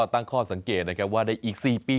ตั้งข้อสังเกตนะครับว่าในอีก๔ปี